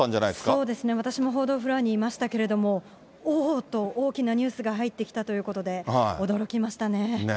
そうですね、私も報道フロアにいましたけれども、おおっと、大きなニュースが入ってきたということで、驚きましたね。